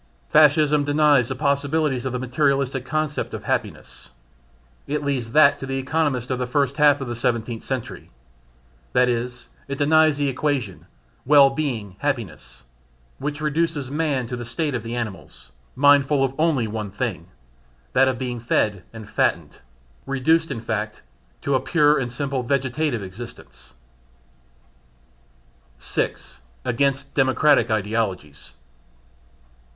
Fascism denies the possibilities of the materialistic concept of "happiness" it leaves that to the economists of the first half of the Seventeenth Century; that is, it denies the equation "well being happiness," which reduces man to the state of the animals, mindful of only one thing that of being fed and fattened; reduced, in fact, to a pure and simple vegetative existence. 6. Against Democratic Ideologies.